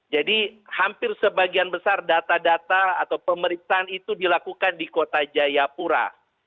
jadi hampir sebagian besar data data atau pemeriksaan itu dilakukan di kota jayapura